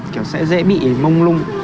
kiểu sẽ dễ bị mông lung